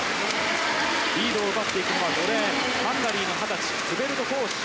リードを奪っていくのは５レーン、ハンガリーの二十歳フベルト・コーシュ。